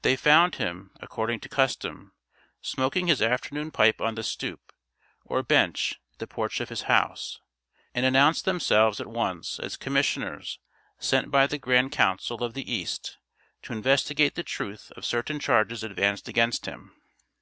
They found him, according to custom, smoking his afternoon pipe on the "stoop," or bench at the porch of his house, and announced themselves at once as commissioners sent by the grand council of the east to investigate the truth of certain charges advanced against him.